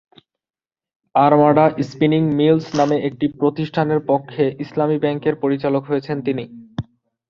Armada Spinning Mills নামে একটি প্রতিষ্ঠানের পক্ষে ইসলামী ব্যাংকের পরিচালক হয়েছেন তিনি।